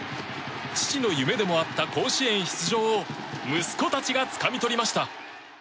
父の夢でもあった甲子園出場を息子たちがつかみ取りました。